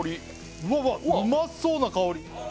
うわうまそうな香り！